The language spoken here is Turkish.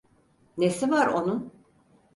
Nesi var onun?